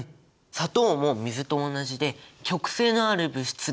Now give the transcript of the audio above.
砂糖も水と同じで極性のある物質だからだ！